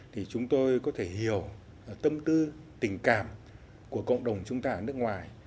thì chúng tôi có thể hiểu tâm tư tình cảm của cộng đồng chúng ta ở nước ngoài